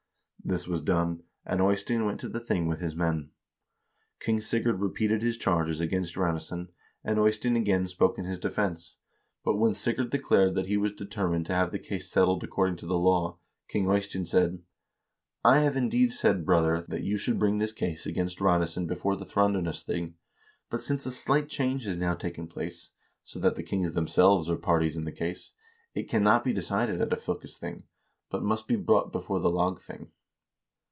This was done, and Eystein went to the thing with his men." King Sigurd repeated his charges against Ranesson, and Eystein 328 HISTORY OF THE NORWEGIAN PEOPLE again spoke in his defense, but when Sigurd declared that he was determined to have the case settled according to law, King Eystein said :" I have indeed said, brother, that you should bring this case against Ranesson before the Thrandarnesthing, but since a slight change has now taken place, so that the kings themselves are parties in the case, it cannot be decided at afylkesthing, but must be brought before the lagthing.